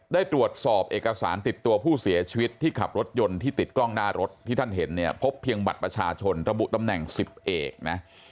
ได้ตรวจสอบเอกสารติดตัวผู้เสียชีวิตที่ขับรถยนต์ที่ติดกล้องหน้ารถที่ท่านเห็นเนี่ยพบเพียงบัตรประชาชนระบุตำแหน่ง๑๐เอกนะ